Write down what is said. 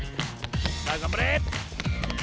さあがんばれ！